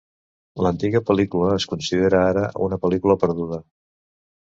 L'antiga pel·lícula es considera ara una pel·lícula perduda.